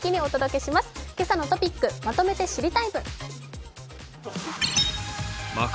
「けさのトピックまとめて知りＴＩＭＥ，」。